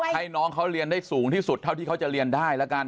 ให้น้องเขาเรียนได้สูงที่สุดเท่าที่เขาจะเรียนได้แล้วกัน